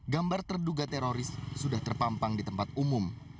gambar terduga teroris sudah terpampang di tempat umum